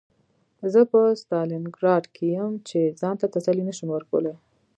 زه په ستالینګراډ کې یم چې ځان ته تسلي نشم ورکولی